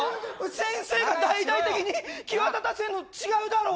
先生が大々的に際立たせるの違うだろ。